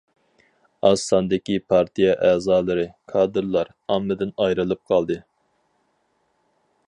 ئاز ساندىكى پارتىيە ئەزالىرى، كادىرلار ئاممىدىن ئايرىلىپ قالدى.